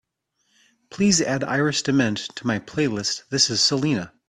Please add Iris DeMent to my playlist this is selena